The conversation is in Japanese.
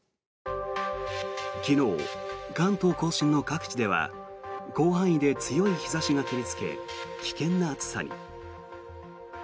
昨日、関東・甲信の各地では広範囲で強い日差しが照りつけ危険な暑さに。